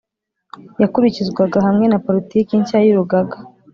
yakurikizwaga hamwe na politiki nshya y urugaga